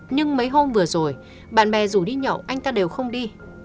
nhưng mấy hôm vừa rồi bạn bè rủ đi nhậu anh ta đều không đi